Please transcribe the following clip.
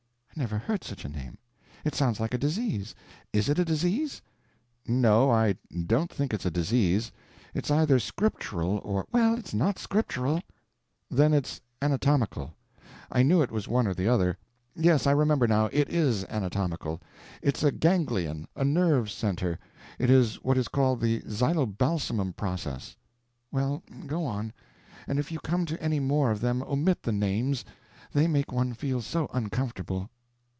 "I never heard such a name: It sounds like a disease. Is it a disease?" "No, I don't think it's a disease. It's either Scriptural or—" "Well, it's not Scriptural." "Then it's anatomical. I knew it was one or the other. Yes, I remember, now, it is anatomical. It's a ganglion—a nerve centre—it is what is called the zylobalsamum process." "Well, go on; and if you come to any more of them, omit the names; they make one feel so uncomfortable."